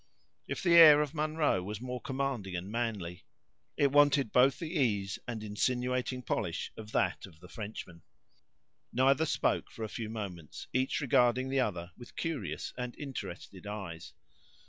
If the air of Munro was more commanding and manly, it wanted both the ease and insinuating polish of that of the Frenchman. Neither spoke for a few moments, each regarding the other with curious and interested eyes.